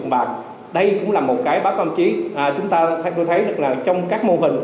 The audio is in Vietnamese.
và đây cũng là một cái báo công chí chúng ta thấy được là trong các mô hình